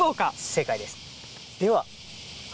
正解です。